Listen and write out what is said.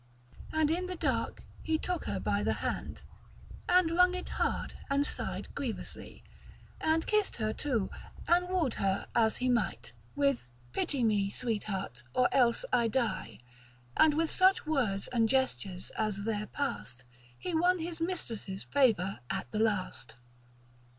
And in the dark he took her by the hand, And wrung it hard, and sighed grievously, And kiss'd her too, and woo'd her as he might, With pity me, sweetheart, or else I die, And with such words and gestures as there past, He won his mistress' favour at the last.